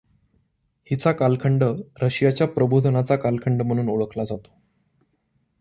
हिचा कालखंड रशियाच्या प्रबोधनाचा कालखंड म्हणून ओळखला जातो.